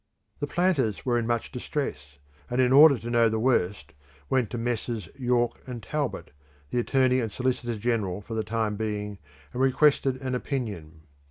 The planters were in much distress, and in order to know the worst went to Messrs. York and Talbot, the Attorney and Solicitor General for the time being, and requested an opinion.